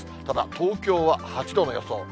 ただ、東京は８度の予想。